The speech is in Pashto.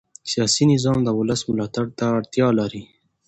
سیاسي نظام د ولس ملاتړ ته اړتیا لري